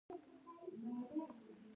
زما له اوښکو یې ابادې هدیرې کړې